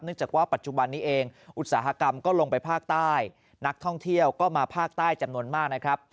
จากว่าปัจจุบันนี้เองอุตสาหกรรมก็ลงไปภาคใต้นักท่องเที่ยวก็มาภาคใต้จำนวนมากนะครับ